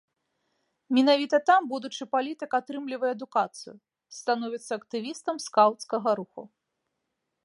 Менавіта там будучы палітык атрымлівае адукацыю, становіцца актывістам скаўцкага руху.